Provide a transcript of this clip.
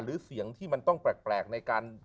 หรือเสียงที่มันต้องแปลกในการ